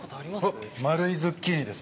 おっ丸いズッキーニです。